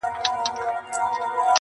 چي پیسې لري هغه د نر بچی دی,